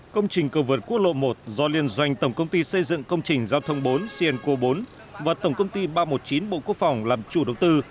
công trình cầu vượt quốc lộ một do liên doanh tổng công ty xây dựng công trình giao thông bốn cenco bốn và tổng công ty ba trăm một mươi chín bộ quốc phòng làm chủ đầu tư